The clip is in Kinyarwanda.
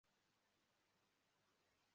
Turashobora kuvugana muri bisi